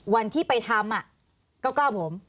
วันที่ไปทำอ่ะเก้าผม